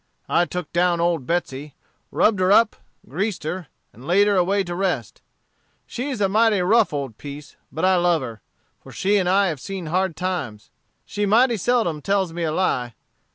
I took down old Betsey, rubbed her up, greased her, and laid her away to rest. She is a mighty rough old piece, but I love her, for she and I have seen hard times. She mighty seldom tells me a lie.